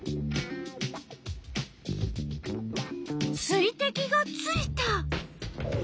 水てきがついた！